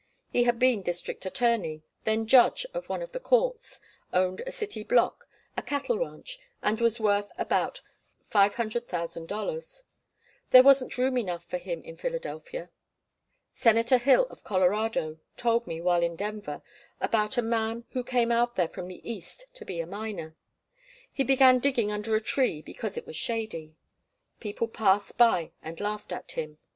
He had been District Attorney, then judge of one of the courts, owned a city block, a cattle ranch, and was worth about $500,000. There wasn't room enough for him in Philadelphia. Senator Hill of Colorado told me, while in Denver, about a man who came out there from the East to be a miner. He began digging under a tree because it was shady. People passed by and laughed at him.